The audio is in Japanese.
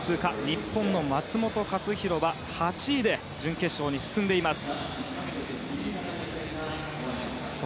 日本の松元克央は８位で準決勝に進んでいます。